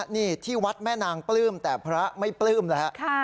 นี่ที่วัดแม่นางปลื้มแต่พระไม่ปลื้มแล้วฮะ